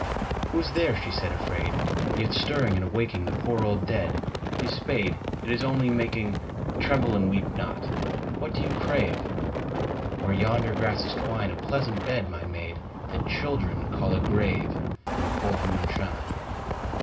II. Who is there, she said afraid, yet Stirring and awaking The poor old dead? His spade, it Is only making, — (Tremble and weep not I What do you crave ?) Where yonder grasses twine, A pleasant bed, my maid, that Children call a grave, In the cold moonshine.